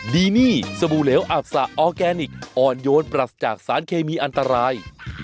ดีนี่สบู่เหลวอับสะออร์แกนิคอ่อนโยนปรัสจากสารเคมีอันตราย